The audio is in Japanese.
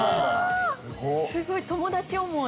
◆すごい友達思い。